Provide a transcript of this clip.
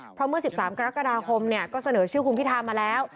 เพราะเมื่อ๑๓กรกฎาคมก็เสนอชื่อคุณพิธามาแล้ว